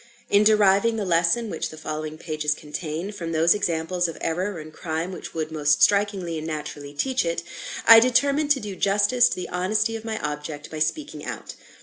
In deriving the lesson which the following pages contain, from those examples of error and crime which would most strikingly and naturally teach it, I determined to do justice to the honesty of my object by speaking out.